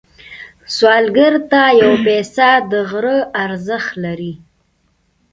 سوالګر ته یو پيسه د غره ارزښت لري